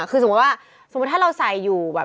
คือสมมุติว่าถ้าเราใส่อยู่